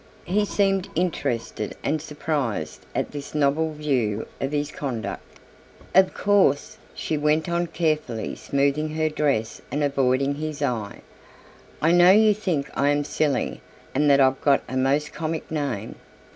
He seemed interested and surprised at this novel view of his conduct. "Of course," she went on carefully smoothing her dress and avoiding his eye, "I know you think I am silly and that I've got a most comic name."